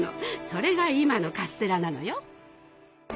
それが今のカステラなのよ。